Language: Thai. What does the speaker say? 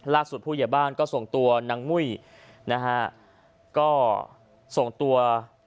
ล่าสุดผู้เหยียบบ้านก็ส่งตัวนางมุ้ยให้กับตรวจสืบสวน